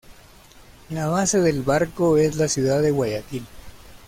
La base del barco es la ciudad de Guayaquil.